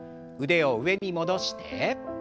腕を上に戻して。